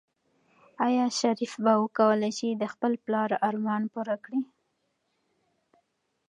آیا شریف به وکولی شي چې د خپل پلار ارمان پوره کړي؟